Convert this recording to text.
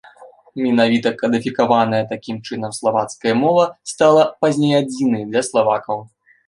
Менавіта кадыфікаваная такім чынам славацкая мова стала пазней адзінай для славакаў.